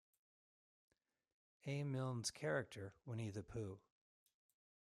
A. Milne's character, Winnie-the-Pooh.